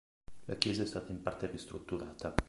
La chiesa è stata in parte ristrutturata.